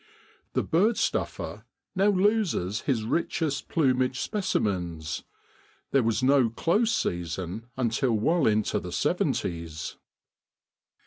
The bird stuffer now loses his richest plumaged specimens. There was no close season until well into the 70's.